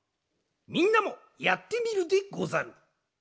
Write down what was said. みんなもやってみるでござる。